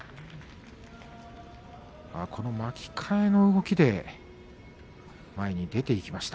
巻き替えの動きで前に出ていきました